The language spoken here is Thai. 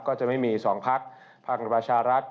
ก็จะไม่มีสองภาคภังประชารัฐ